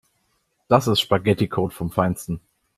Das ist Spaghetticode vom Feinsten.